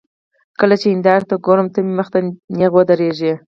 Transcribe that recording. کله چې هندارې ته ګورم، ته مې مخ ته نېغه ودرېږې